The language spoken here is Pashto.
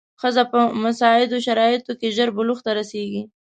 ښځې په مساعدو شرایطو کې ژر بلوغ ته رسېږي.